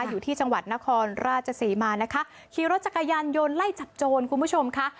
อยู่ที่จังหวัดนครราชศรีมานะคะขี่รถจักรยานยนต์ไล่จับโจรคุณผู้ชมค่ะ